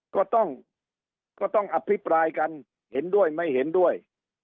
ก็ต้องก็ต้องอภิปรายกันเห็นด้วยไม่เห็นด้วย